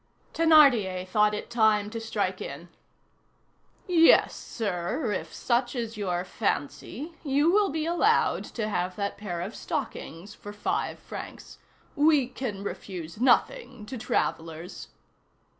Thénardier thought it time to strike in. "Yes, sir; if such is your fancy, you will be allowed to have that pair of stockings for five francs. We can refuse nothing to travellers."